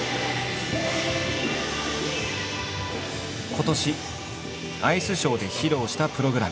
今年アイスショーで披露したプログラム。